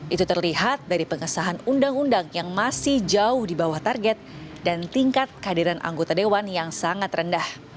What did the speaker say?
itu terlihat dari pengesahan undang undang yang masih jauh di bawah target dan tingkat kehadiran anggota dewan yang sangat rendah